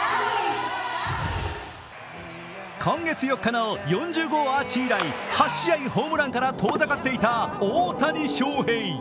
今月４日の４０号アーチ以来、８試合ホームランから遠ざかっていた大谷翔平。